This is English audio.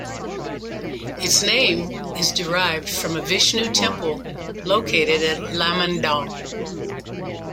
Its name is derived from a Vishnu Temple located at Lamangdong.